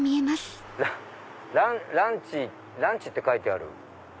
ランチって書いてある。